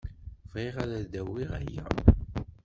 Bɣiɣ ad d-awiɣ aya.